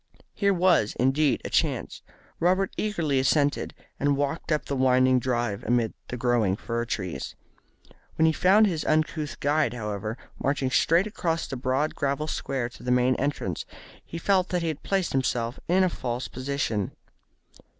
Here was, indeed, a chance. Robert eagerly assented, and walked up the winding drive amid the growing fir trees. When he found his uncouth guide, however, marching straight across the broad, gravel square to the main entrance, he felt that he had placed himself in a false position.